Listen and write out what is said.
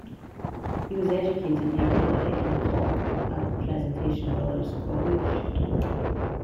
He was educated nearby in Cork at the Presentation Brothers College.